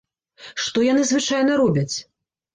Што яны звычайна робяць?